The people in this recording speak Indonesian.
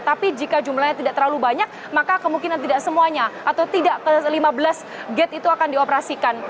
tapi jika jumlahnya tidak terlalu banyak maka kemungkinan tidak semuanya atau tidak ke lima belas gate itu akan dioperasikan